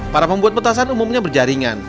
para pembuat petasan umumnya berjaringan